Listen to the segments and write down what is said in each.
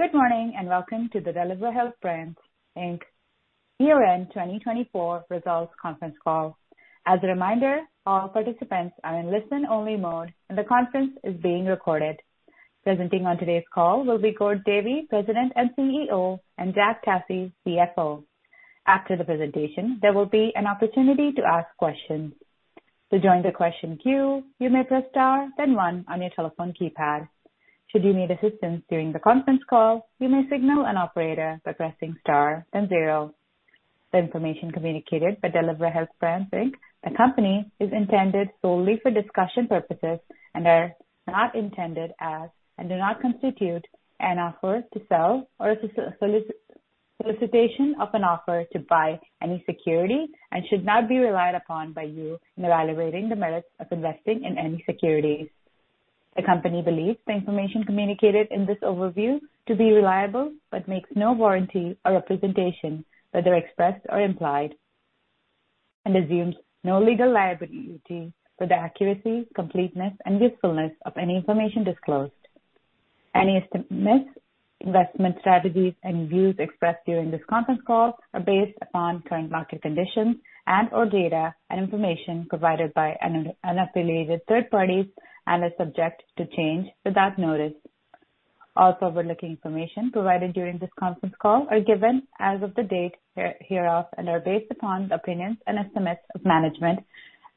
Good morning, and welcome to the Delivra Health Brands Inc. year-end twenty twenty-four results conference call. As a reminder, all participants are in listen-only mode, and the conference is being recorded. Presenting on today's call will be Gord Davey, President and CEO, and Jack Tasse, CFO. After the presentation, there will be an opportunity to ask questions. To join the question queue, you may press Star, then One on your telephone keypad. Should you need assistance during the conference call, you may signal an operator by pressing star then zero. The information communicated by Delivra Health Brands Inc., the company, is intended solely for discussion purposes and are not intended as, and do not constitute an offer to sell or a solicitation of an offer to buy any security and should not be relied upon by you in evaluating the merits of investing in any securities. The company believes the information communicated in this overview to be reliable, but makes no warranty or representation, whether expressed or implied, and assumes no legal liability for the accuracy, completeness, and usefulness of any information disclosed. Any estimates, investment strategies, and views expressed during this conference call are based upon current market conditions and/or data and information provided by an unaffiliated third parties and are subject to change without notice. All forward-looking information provided during this conference call are given as of the date hereof and are based upon the opinions and estimates of management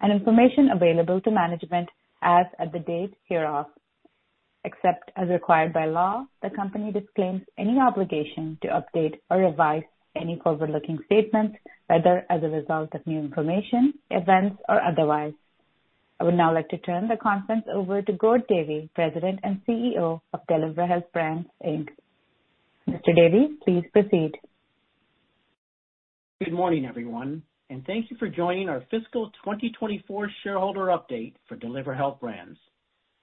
and information available to management as of the date hereof. Except as required by law, the company disclaims any obligation to update or revise any forward-looking statements, whether as a result of new information, events, or otherwise. I would now like to turn the conference over to Gord Davey, President and CEO of Delivra Health Brands, Inc. Mr. Davey, please proceed. Good morning, everyone, and thank you for joining our fiscal twenty twenty-four shareholder update for Delivra Health Brands.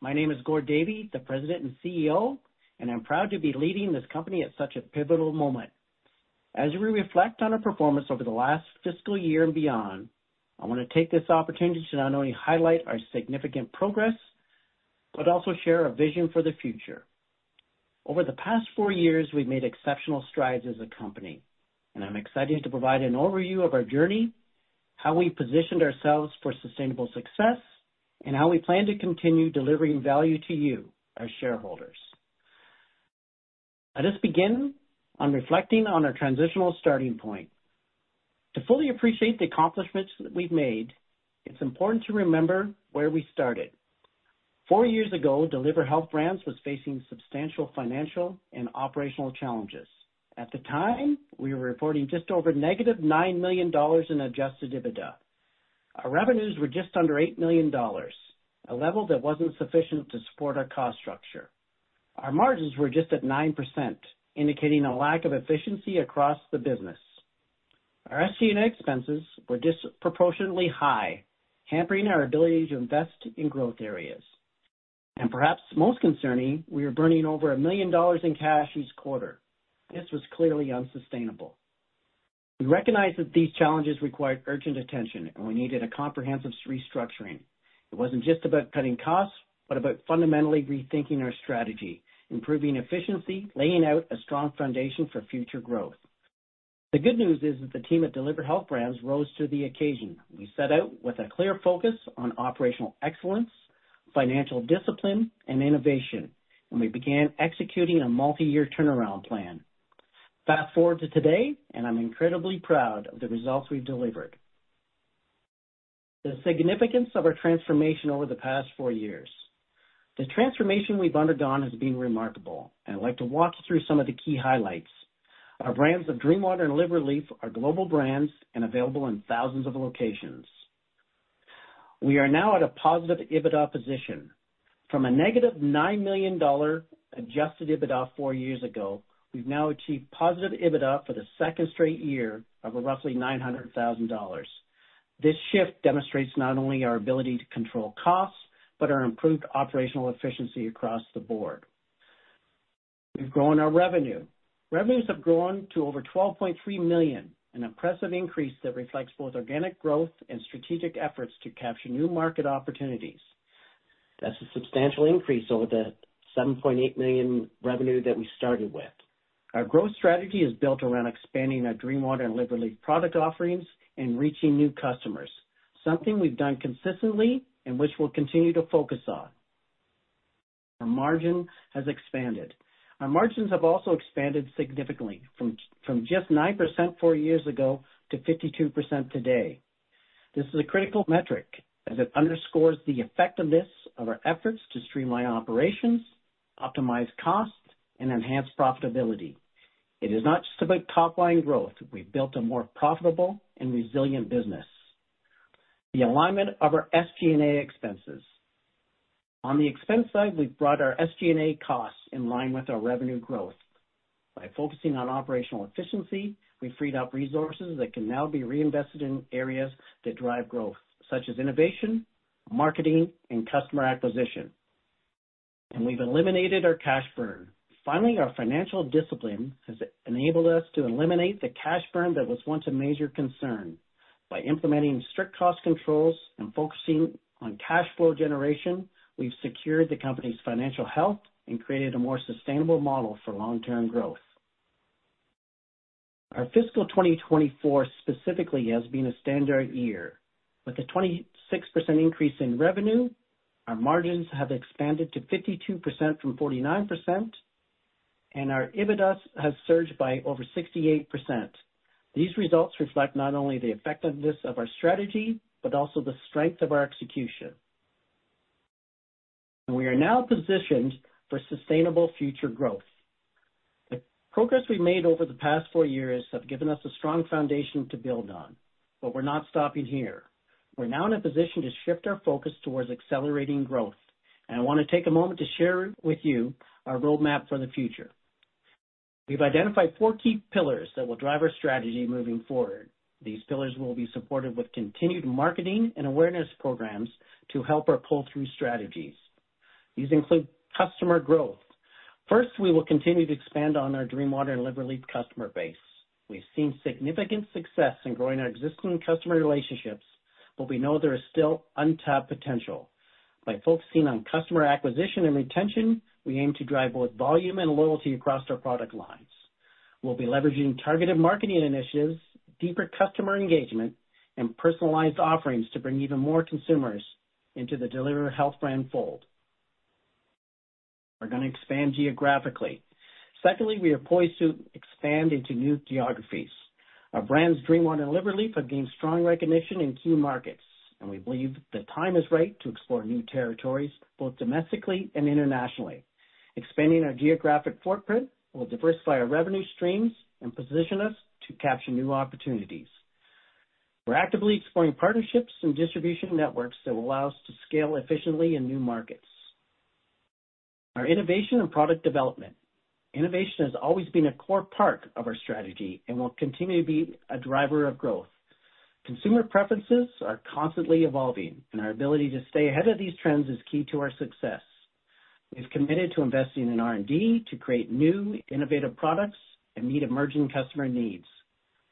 My name is Gord Davey, the President and CEO, and I'm proud to be leading this company at such a pivotal moment. As we reflect on our performance over the last fiscal year and beyond, I wanna take this opportunity to not only highlight our significant progress, but also share our vision for the future. Over the past four years, we've made exceptional strides as a company, and I'm excited to provide an overview of our journey, how we positioned ourselves for sustainable success, and how we plan to continue delivering value to you, our shareholders. Let us begin on reflecting on our transitional starting point. To fully appreciate the accomplishments that we've made, it's important to remember where we started. Four years ago, Delivra Health Brands was facing substantial financial and operational challenges. At the time, we were reporting just over negative 9 million dollars in Adjusted EBITDA. Our revenues were just under 8 million dollars, a level that wasn't sufficient to support our cost structure. Our margins were just at 9%, indicating a lack of efficiency across the business. Our SG&A expenses were disproportionately high, hampering our ability to invest in growth areas, and perhaps most concerning, we were burning over 1 million dollars in cash each quarter. This was clearly unsustainable. We recognized that these challenges required urgent attention, and we needed a comprehensive restructuring. It wasn't just about cutting costs, but about fundamentally rethinking our strategy, improving efficiency, laying out a strong foundation for future growth. The good news is that the team at Delivra Health Brands rose to the occasion. We set out with a clear focus on operational excellence, financial discipline, and innovation, and we began executing a multi-year turnaround plan. Fast forward to today, and I'm incredibly proud of the results we've delivered. The significance of our transformation over the past four years. The transformation we've undergone has been remarkable, and I'd like to walk you through some of the key highlights. Our brands of Dream Water and LivRelief are global brands and available in thousands of locations. We are now at a positive EBITDA position. From a negative 9 million dollar Adjusted EBITDA four years ago, we've now achieved positive EBITDA for the second straight year of roughly 900,000 dollars. This shift demonstrates not only our ability to control costs, but our improved operational efficiency across the board. We've grown our revenue. Revenues have grown to over 12.3 million, an impressive increase that reflects both organic growth and strategic efforts to capture new market opportunities. That's a substantial increase over the 7.8 million revenue that we started with. Our growth strategy is built around expanding our Dream Water and LivRelief product offerings and reaching new customers, something we've done consistently and which we'll continue to focus on. Our margin has expanded. Our margins have also expanded significantly from just 9% four years ago to 52% today. This is a critical metric as it underscores the effectiveness of our efforts to streamline operations, optimize costs, and enhance profitability. It is not just about top-line growth. We've built a more profitable and resilient business. The alignment of our SG&A expenses. On the expense side, we've brought our SG&A costs in line with our revenue growth. By focusing on operational efficiency, we freed up resources that can now be reinvested in areas that drive growth, such as innovation, marketing, and customer acquisition. And we've eliminated our cash burn. Finally, our financial discipline has enabled us to eliminate the cash burn that was once a major concern. By implementing strict cost controls and focusing on cash flow generation, we've secured the company's financial health and created a more sustainable model for long-term growth. Our fiscal 2024 specifically has been a standout year. With a 26% increase in revenue, our margins have expanded to 52% from 49%, and our EBITDA has surged by over 68%. These results reflect not only the effectiveness of our strategy, but also the strength of our execution. And we are now positioned for sustainable future growth. The progress we've made over the past four years have given us a strong foundation to build on, but we're not stopping here. We're now in a position to shift our focus towards accelerating growth, and I wanna take a moment to share with you our roadmap for the future. We've identified four key pillars that will drive our strategy moving forward. These pillars will be supported with continued marketing and awareness programs to help our pull-through strategies. These include customer growth. First, we will continue to expand on our Dream Water and LivRelief customer base. We've seen significant success in growing our existing customer relationships, but we know there is still untapped potential. By focusing on customer acquisition and retention, we aim to drive both volume and loyalty across our product lines. We'll be leveraging targeted marketing initiatives, deeper customer engagement, and personalized offerings to bring even more consumers into the Delivra Health brand fold. We're gonna expand geographically. Secondly, we are poised to expand into new geographies. Our brands Dream Water and LivRelief have gained strong recognition in key markets, and we believe the time is right to explore new territories, both domestically and internationally. Expanding our geographic footprint will diversify our revenue streams and position us to capture new opportunities. We're actively exploring partnerships and distribution networks that will allow us to scale efficiently in new markets. Our innovation and product development. Innovation has always been a core part of our strategy and will continue to be a driver of growth. Consumer preferences are constantly evolving, and our ability to stay ahead of these trends is key to our success. We've committed to investing in R&D to create new innovative products and meet emerging customer needs.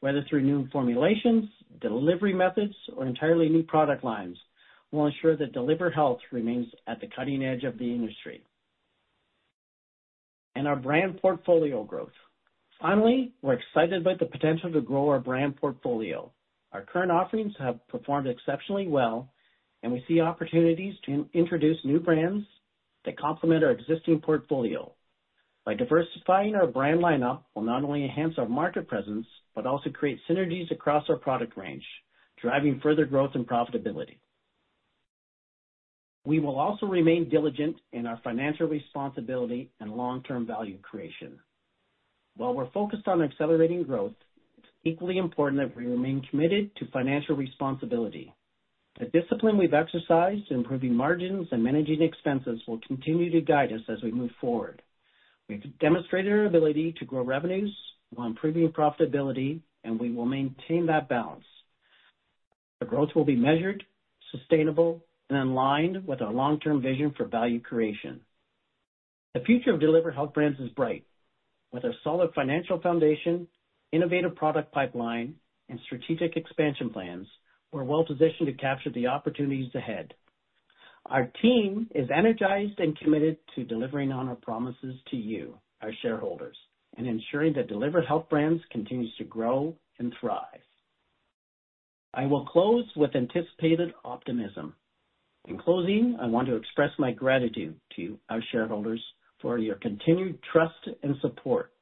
Whether through new formulations, delivery methods, or entirely new product lines, we'll ensure that Delivra Health remains at the cutting edge of the industry. And our brand portfolio growth. Finally, we're excited about the potential to grow our brand portfolio. Our current offerings have performed exceptionally well, and we see opportunities to introduce new brands that complement our existing portfolio. By diversifying our brand lineup, we'll not only enhance our market presence, but also create synergies across our product range, driving further growth and profitability. We will also remain diligent in our financial responsibility and long-term value creation. While we're focused on accelerating growth, it's equally important that we remain committed to financial responsibility. The discipline we've exercised in improving margins and managing expenses will continue to guide us as we move forward. We've demonstrated our ability to grow revenues while improving profitability, and we will maintain that balance. The growth will be measured, sustainable, and aligned with our long-term vision for value creation. The future of Delivra Health Brands is bright. With a solid financial foundation, innovative product pipeline, and strategic expansion plans, we're well positioned to capture the opportunities ahead. Our team is energized and committed to delivering on our promises to you, our shareholders, and ensuring that Delivra Health Brands continues to grow and thrive. I will close with anticipated optimism. In closing, I want to express my gratitude to you, our shareholders, for your continued trust and support.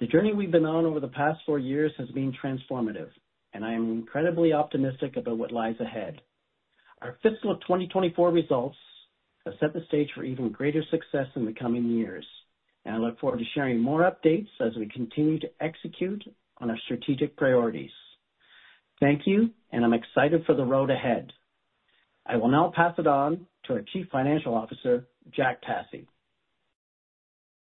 The journey we've been on over the past four years has been transformative, and I am incredibly optimistic about what lies ahead. Our fiscal 2024 results have set the stage for even greater success in the coming years, and I look forward to sharing more updates as we continue to execute on our strategic priorities. Thank you, and I'm excited for the road ahead. I will now pass it on to our Chief Financial Officer, Jack Tasse.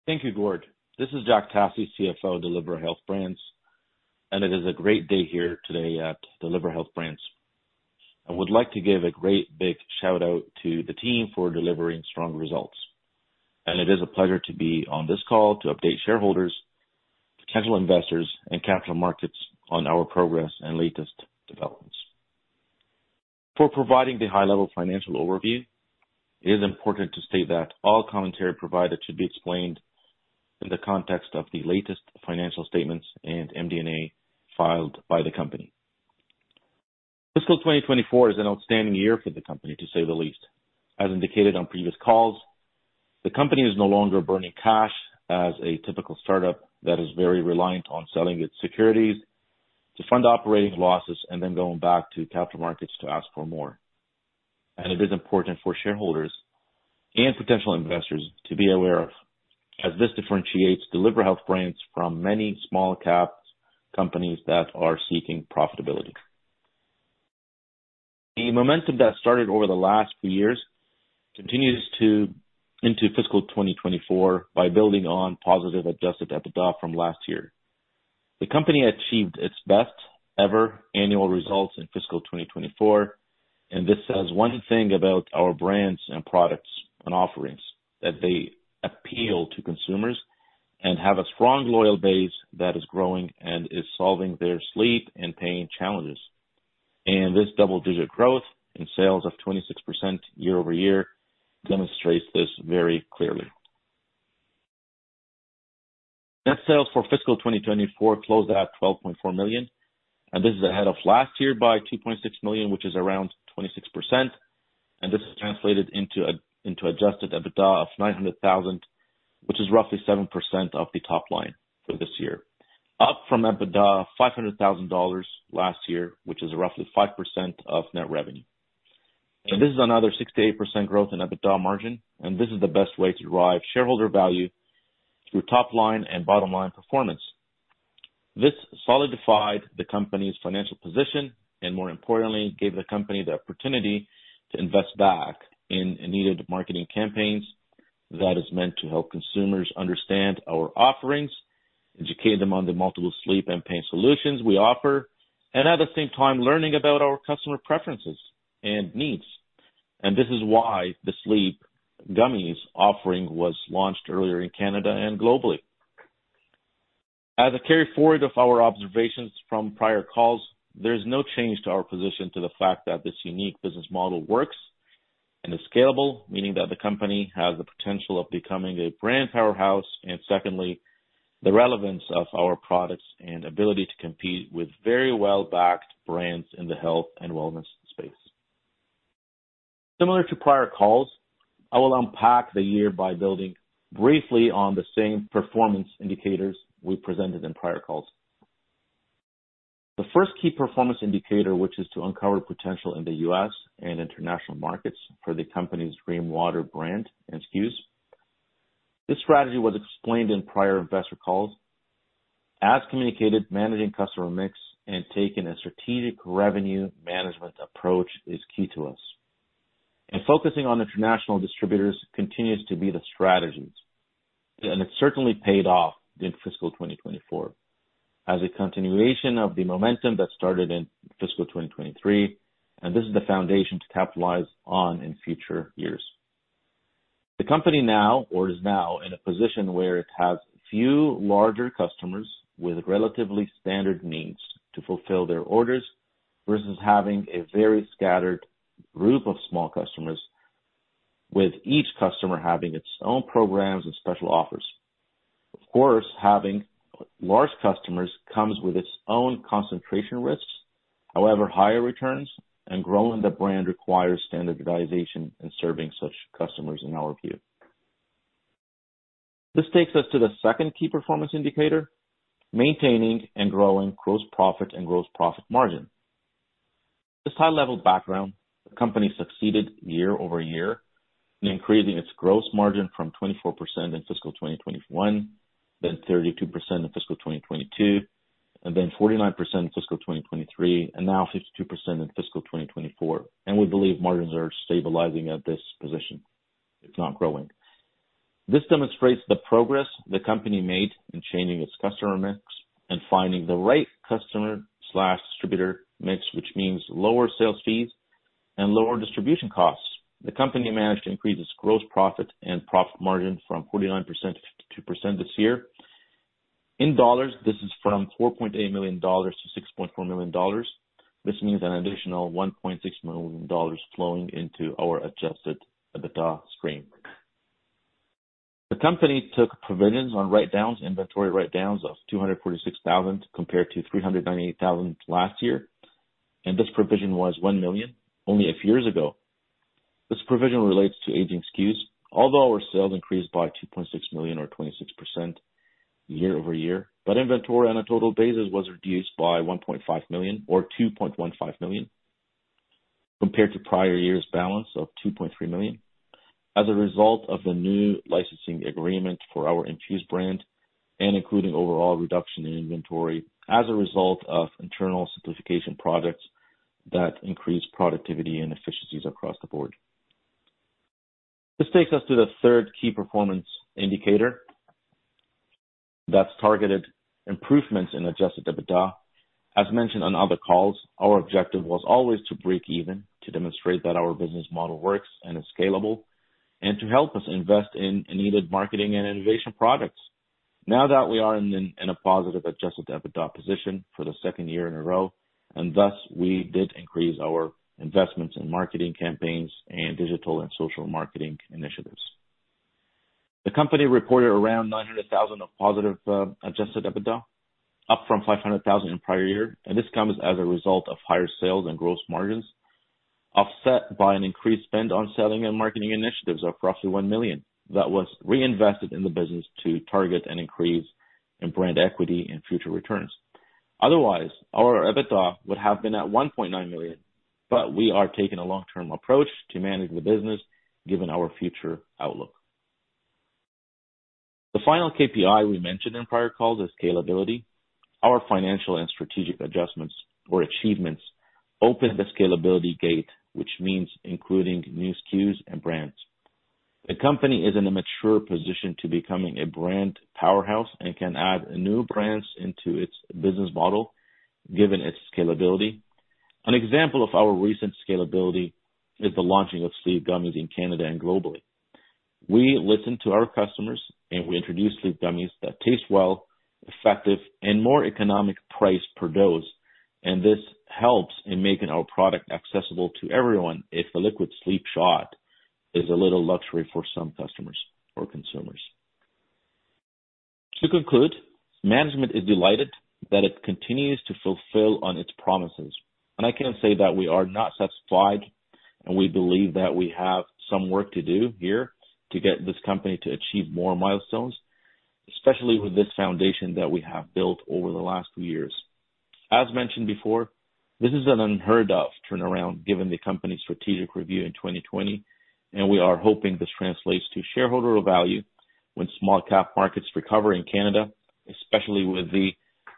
Thank you, Gord. This is Jack Tasse, CFO of Delivra Health Brands, and it is a great day here today at Delivra Health Brands. I would like to give a great big shout-out to the team for delivering strong results, and it is a pleasure to be on this call to update shareholders, potential investors, and capital markets on our progress and latest developments. For providing the high-level financial overview, it is important to state that all commentary provided should be explained in the context of the latest financial statements and MD&A filed by the company. Fiscal 2024 is an outstanding year for the company, to say the least. As indicated on previous calls, the company is no longer burning cash as a typical startup that is very reliant on selling its securities to fund operating losses and then going back to capital markets to ask for more. And it is important for shareholders and potential investors to be aware of, as this differentiates Delivra Health Brands from many small cap companies that are seeking profitability. The momentum that started over the last few years continues into fiscal 2024 by building on positive Adjusted EBITDA from last year. The company achieved its best-ever annual results in fiscal 2024, and this says one thing about our brands and products and offerings, that they appeal to consumers... and have a strong, loyal base that is growing and is solving their sleep and pain challenges. And this double-digit growth in sales of 26% year-over-year demonstrates this very clearly. Net sales for fiscal 2024 closed at 12.4 million, and this is ahead of last year by 2.6 million, which is around 26%, and this is translated into Adjusted EBITDA of 900,000, which is roughly 7% of the top line for this year. Up from EBITDA 500,000 dollars last year, which is roughly 5% of net revenue. And this is another 6%-8% growth in EBITDA margin, and this is the best way to drive shareholder value through top line and bottom line performance. This solidified the company's financial position and, more importantly, gave the company the opportunity to invest back in needed marketing campaigns that is meant to help consumers understand our offerings, educate them on the multiple sleep and pain solutions we offer, and at the same time, learning about our customer preferences and needs. And this is why the Sleep Gummies offering was launched earlier in Canada and globally. As a carry forward of our observations from prior calls, there's no change to our position to the fact that this unique business model works and is scalable, meaning that the company has the potential of becoming a brand powerhouse, and secondly, the relevance of our products and ability to compete with very well-backed brands in the health and wellness space. Similar to prior calls, I will unpack the year by building briefly on the same performance indicators we presented in prior calls. The first key performance indicator, which is to uncover potential in the U.S. and international markets for the company's Dream Water brand and SKUs. This strategy was explained in prior investor calls. As communicated, managing customer mix and taking a strategic revenue management approach is key to us, and focusing on international distributors continues to be the strategies, and it certainly paid off in fiscal 2024 as a continuation of the momentum that started in fiscal 2023, and this is the foundation to capitalize on in future years. The company now is now in a position where it has few larger customers with relatively standard means to fulfill their orders, versus having a very scattered group of small customers, with each customer having its own programs and special offers. Of course, having large customers comes with its own concentration risks. However, higher returns and growing the brand requires standardization and serving such customers in our view. This takes us to the second key performance indicator: maintaining and growing gross profit and gross profit margin. With this high-level background, the company succeeded year over year in increasing its gross margin from 24% in fiscal 2021, then 32% in fiscal 2022, and then 49% in fiscal 2023, and now 52% in fiscal 2024, and we believe margins are stabilizing at this position. It's not growing. This demonstrates the progress the company made in changing its customer mix and finding the right customer/distributor mix, which means lower sales fees and lower distribution costs. The company managed to increase its gross profit and profit margin from 49% to 52% this year. In dollars, this is from 4.8 million dollars to 6.4 million dollars. This means an additional 1.6 million dollars flowing into our Adjusted EBITDA stream. The company took provisions on write-downs, inventory write-downs of 246,000, compared to 398,000 last year, and this provision was 1 million only a few years ago. This provision relates to aging SKUs, although our sales increased by 2.6 million or 26% year-over-year. But inventory on a total basis was reduced by 1.5 million or 2.15 million, compared to prior year's balance of 2.3 million, as a result of the new licensing agreement for our Infused brand and including overall reduction in inventory as a result of internal simplification products that increase productivity and efficiencies across the board. This takes us to the third key performance indicator, that's targeted improvements in Adjusted EBITDA. As mentioned on other calls, our objective was always to break even, to demonstrate that our business model works and is scalable, and to help us invest in needed marketing and innovation products. Now that we are in a positive Adjusted EBITDA position for the second year in a row, and thus we did increase our investments in marketing campaigns and digital and social marketing initiatives. The company reported around 900,000 of positive Adjusted EBITDA, up from 500,000 in prior year, and this comes as a result of higher sales and gross margins, offset by an increased spend on selling and marketing initiatives of roughly 1 million. That was reinvested in the business to target an increase in brand equity and future returns. Otherwise, our EBITDA would have been at 1.9 million, but we are taking a long-term approach to manage the business given our future outlook. The final KPI we mentioned in prior calls is scalability. Our financial and strategic adjustments or achievements open the scalability gate, which means including new SKUs and brands. The company is in a mature position to becoming a brand powerhouse and can add new brands into its business model, given its scalability. An example of our recent scalability is the launching of Sleep Gummies in Canada and globally. We listened to our customers, and we introduced Sleep Gummies that taste well, effective, and more economic price per dose, and this helps in making our product accessible to everyone if the liquid sleep shot is a little luxury for some customers or consumers. To conclude, management is delighted that it continues to fulfill on its promises, and I can say that we are not satisfied, and we believe that we have some work to do here to get this company to achieve more milestones, especially with this foundation that we have built over the last two years. As mentioned before, this is an unheard of turnaround, given the company's strategic review in 2020, and we are hoping this translates to shareholder value when small cap markets recover in Canada, especially with the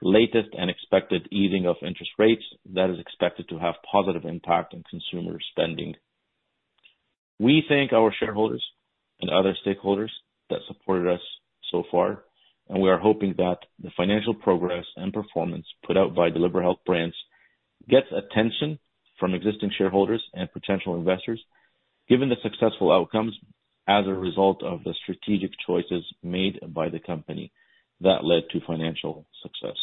latest and expected easing of interest rates that is expected to have positive impact on consumer spending. We thank our shareholders and other stakeholders that supported us so far, and we are hoping that the financial progress and performance put out by Delivra Health Brands gets attention from existing shareholders and potential investors, given the successful outcomes as a result of the strategic choices made by the company that led to financial success.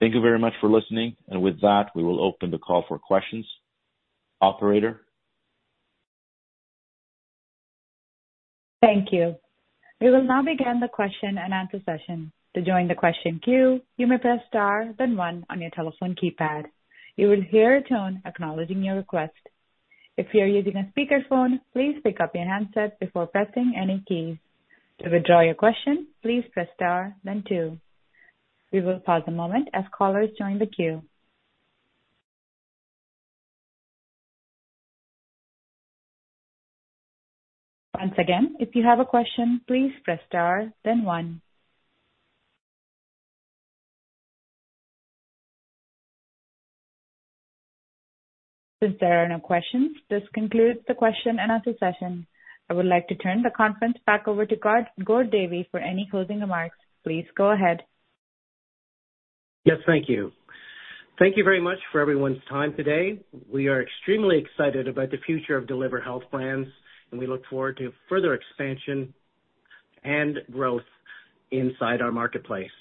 Thank you very much for listening, and with that, we will open the call for questions. Operator? Thank you. We will now begin the question and answer session. To join the question queue, you may press star, then one on your telephone keypad. You will hear a tone acknowledging your request. If you're using a speakerphone, please pick up your handset before pressing any keys. To withdraw your question, please press star, then two. We will pause a moment as callers join the queue. Once again, if you have a question, please press star, then one. Since there are no questions, this concludes the question and answer session. I would like to turn the conference back over to Gord Davey for any closing remarks. Please go ahead. Yes, thank you. Thank you very much for everyone's time today. We are extremely excited about the future of Delivra Health Brands, and we look forward to further expansion and growth inside our marketplace.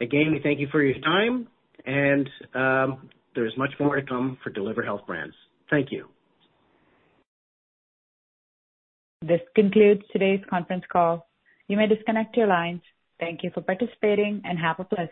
Again, we thank you for your time, and there is much more to come for Delivra Health Brands. Thank you. This concludes today's conference call. You may disconnect your lines. Thank you for participating, and have a pleasant day.